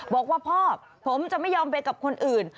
บอกว่าพ่อผมจะไม่ยอมไปกับคนอื่น